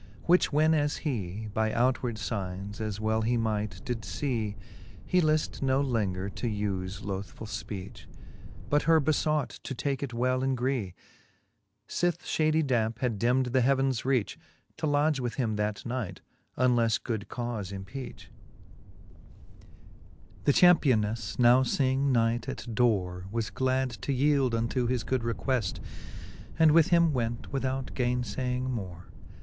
Which when as hee By outward iignes, as well he might, did fee, He lift no lenger to ufe lothfull fpeach. But her befought to take it well in gree, Sith fhady dampe had dimd the heavens reach, To lodge with him that night, unles good caufe empeach* XXII. The championeflTe, now feeing night at dore, Was glad to yeeld unto his good requeft, And with him went without gaine iaying more.